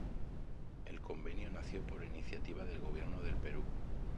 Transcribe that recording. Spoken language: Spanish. El Convenio nació por iniciativa del gobierno del Perú.